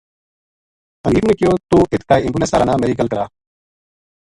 حینف نے کہیو توہ اِت کائی ایمبولینس ہالا نال میری گل کرا